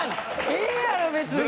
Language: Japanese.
ええやろ別に。